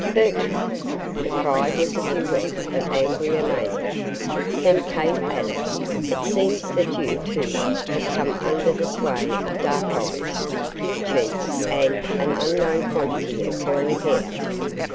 "Bertram!" The cry was a duet of angry amazement. Then Kate added: "It seems that you, too, have come under the sway of dark eyes, pink cheeks, and an unknown quantity of curly hair!"